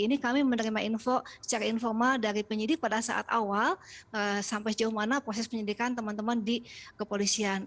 ini kami menerima info secara informal dari penyidik pada saat awal sampai sejauh mana proses penyidikan teman teman di kepolisian